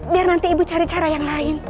biar nanti ibu cari cara yang lain